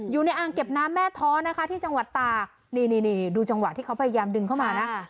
อยู่ในอ่างเก็บน้ำแม่ท้อนะคะที่จังหวัดตานี่นี่ดูจังหวะที่เขาพยายามดึงเข้ามานะ